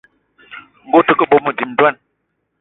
Ngue ute ke bónbô, dím ndwan